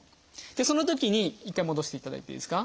そのときに一回戻していただいていいですか？